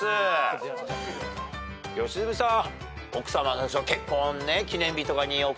良純さん。